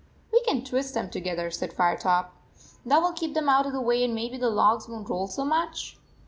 " We can twist them together," said Fire top. "That will keep them out of the way and maybe the logs won t roll so much."